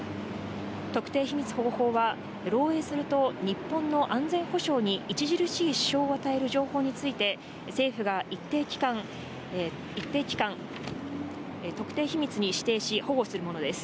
特定秘密保護法は、漏えいすると日本の安全保障に著しい支障を与える情報について、政府が一定期間、特定秘密に指定し、保護するものです。